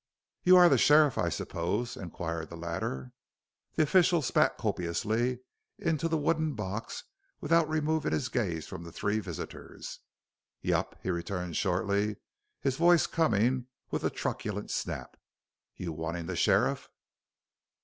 "You are the sheriff, I suppose?" inquired the latter. The official spat copiously into the wooden box without removing his gaze from the three visitors. "Yep," he returned shortly, his voice coming with a truculent snap. "You wantin' the sheriff?"